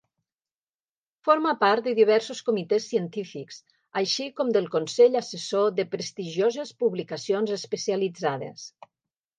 Forma part de diversos comitès científics així com del consell assessor de prestigioses publicacions especialitzades.